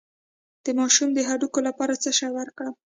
د ماشوم د هډوکو لپاره څه شی ورکړم؟